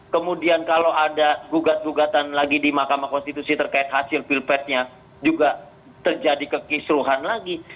kemudian kalau ada gugat gugatan lagi di mahkamah konstitusi terkait hasil pilpresnya juga terjadi kekisruhan lagi